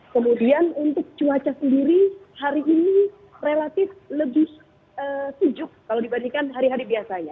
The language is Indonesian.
kemudian untuk cuaca sendiri hari ini relatif lebih sejuk kalau dibandingkan hari hari biasanya